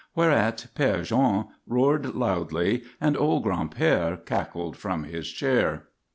Whereat Père Jean roared loudly and old Gran'père cackled from his chair.